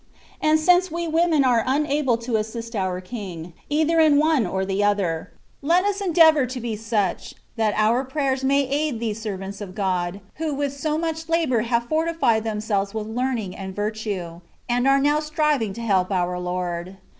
And siace we women are unable to assist our king, either in one or the other, let us endeavour to be such — that our prayers may aid these servants of God, who with so much labour have fortified themselves with learning and virtue, and are now striving to help our Lord.